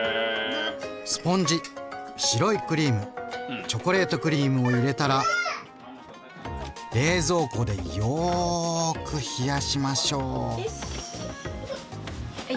スポンジ白いクリームチョコレートクリームを入れたら冷蔵庫でよく冷やしましょう！